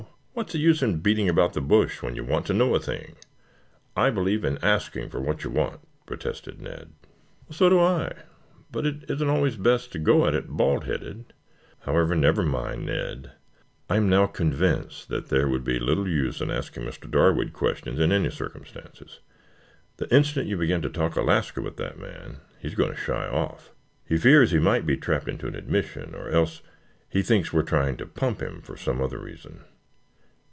What's the use in beating about the bush when you want to know a thing. I believe in asking for what you want," protested Ned. "So do I, but it isn't always best to go at it bald headed. However, never mind, Ned. I am now convinced that there would be little use in asking Mr. Darwood questions in any circumstances. The instant you begin to talk Alaska with that man he is going to shy off. He fears he might be trapped into an admission, or else he thinks we are trying to pump him for some other reason.